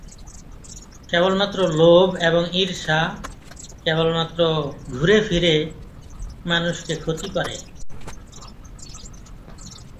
কেবলমাত্র লোভ এবং ঈর্ষা কেবলমাত্র ঘুরে ফিরে মানুষকে ক্ষতি করে।